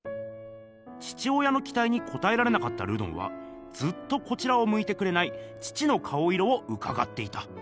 父親のきたいにこたえられなかったルドンはずっとこちらをむいてくれない父の顔色をうかがっていた。